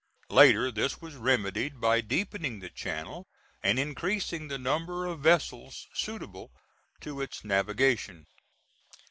Later this was remedied, by deepening the channel and increasing the number of vessels suitable to its navigation.